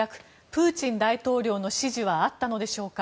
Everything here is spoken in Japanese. プーチン大統領の指示はあったのでしょうか。